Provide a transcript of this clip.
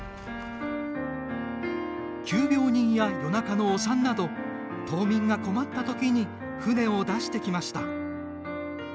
急病人や夜中のお産など島民が困ったときに船を出してきました。